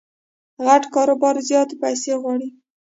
غټ کاروبار زیاتي پیسې غواړي.